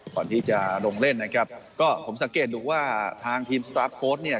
ก่อนที่จะลงเล่นนะครับก็ผมสังเกตดูว่าทางทีมสตาร์ฟโค้ดเนี่ย